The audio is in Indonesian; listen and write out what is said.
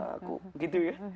aku gitu ya